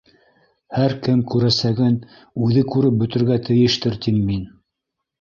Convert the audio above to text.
Һәр кем күрәсәген үҙе күреп бөтөргә тейештер тим мин.